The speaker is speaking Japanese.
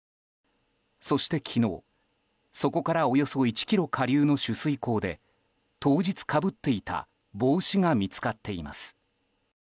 そして昨日、そこからおよそ１ｋｍ下流の取水口で当日かぶっていた帽子が見つかっています。